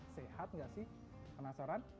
sehat gak sih penasaran